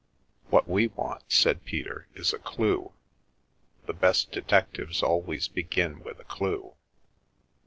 " What we want," said Peter, " is a clue. The best detectives always begin with a clue."